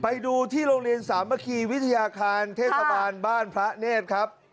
ไปดูที่โรงเรียนสามัคคีวิทยาคารเทศบาลบ้านพระเนธครับ